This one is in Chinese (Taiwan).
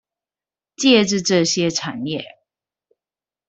藉著這些產業